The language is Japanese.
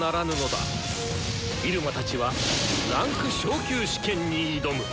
入間たちは位階昇級試験に挑む！